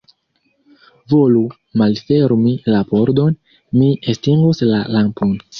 Volu malfermi la pordon; mi estingos la lampon.